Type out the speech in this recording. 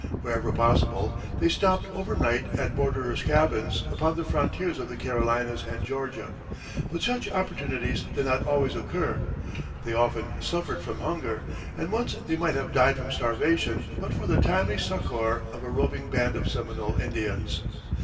Wherever possible, they stopped overnight at borderers' cabins upon the frontiers of the Carolinas and Georgia. But such opportunities did not always occur; they often suffered from hunger, and once they might have died from starvation but for the timely succor of a roving band of Seminole Indians.